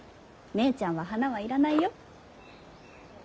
姉ちゃんは花は要らないよ。